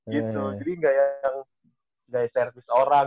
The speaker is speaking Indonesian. jadi ga yang service orang